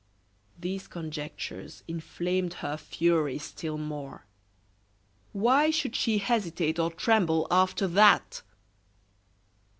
These conjectures inflamed her fury still more. Why should she hesitate or tremble after that?